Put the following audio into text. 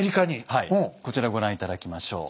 こちらご覧頂きましょう。